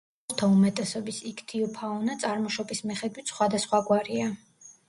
აუზთა უმეტესობის იქთიოფაუნა წარმოშობის მიხედვით სხვადასხვაგვარია.